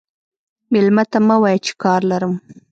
مېلمه ته مه وایه چې کار لرم.